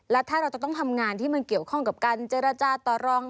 และถ้าเราจะต้องทำงานที่มันเกี่ยวข้องกับการเจรจาต่อรอง